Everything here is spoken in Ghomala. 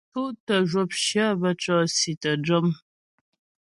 Cútə zhwəpshyə bə́ cɔ̀si tə́ jɔm.